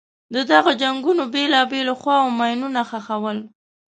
د دغو جنګونو بېلابېلو خواوو ماینونه ښخول.